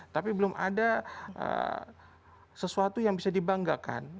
tapi belum ada sesuatu yang bisa dibanggakan